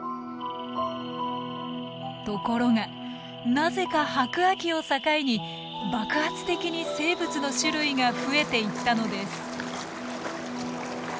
ところがなぜか白亜紀を境に爆発的に生物の種類が増えていったのです。